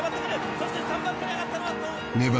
そして３番手に上がったのは。